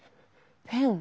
ペン？